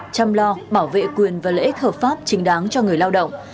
chăm lo bảo vệ quyền và lễ hợp pháp chính đáng cho người lao động